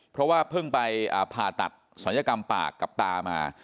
เพราะว่าเพิ่งไปผ่าตัดศัลยกรรมปากกับตามา